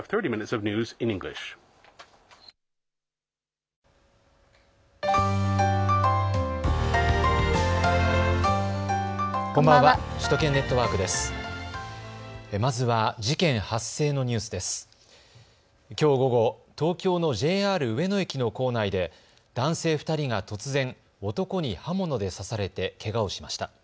きょう午後、東京のＪＲ上野駅の構内で男性２人が突然、男に刃物で刺されて、けがをしました。